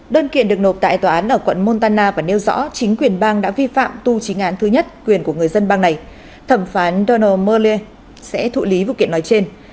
đơn kiện được nộp tại tòa án ở quận montana và nêu rõ chính quyền bang đã vi phạm tu chính án thứ nhất quyền của người dân bang này thẩm phán dona mel sẽ thụ lý vụ kiện nói trên